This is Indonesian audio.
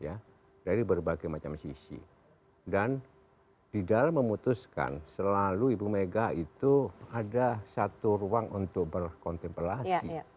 ya dari berbagai macam sisi dan di dalam memutuskan selalu ibu mega itu ada satu ruang untuk berkontemplasi